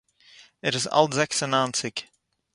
ער איז אלט זעקס און ניינציק.